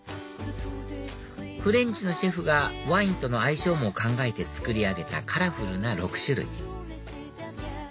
フレンチのシェフがワインとの相性も考えて作り上げたカラフルな６種類